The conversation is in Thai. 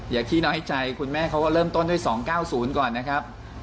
ขี้น้อยใจคุณแม่เขาก็เริ่มต้นด้วย๒๙๐ก่อนนะครับ